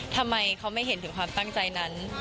ทำไมเขาไม่เห็นถึงความตั้งใจนั้น